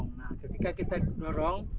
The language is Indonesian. nah ketika kita dorong ini fungsinya untuk dorong